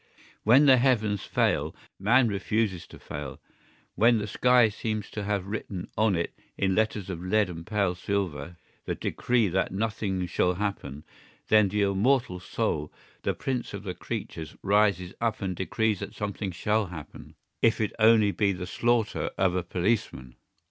When the heavens fail man refuses to fail; when the sky seems to have written on it, in letters of lead and pale silver, the decree that nothing shall happen, then the immortal soul, the prince of the creatures, rises up and decrees that something shall happen, if it be only the slaughter of a policeman.